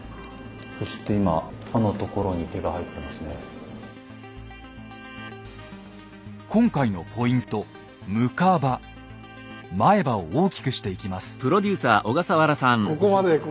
そして今今回のポイント前歯を大きくしていきます。